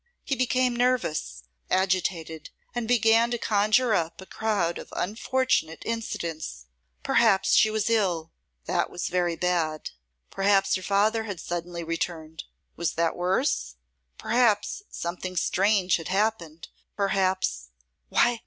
He became nervous, agitated, and began to conjure up a crowd of unfortunate incidents. Perhaps she was ill; that was very bad. Perhaps her father had suddenly returned. Was that worse? Perhaps something strange had happened. Perhaps Why!